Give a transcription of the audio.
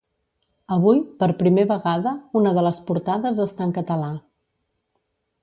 Avui, per primer vegada, una de les portades està en català.